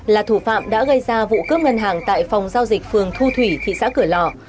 là thủ phạm đã gây ra vụ cướp ngân hàng tại phòng giao dịch phường thu thủy thị xã cửa lò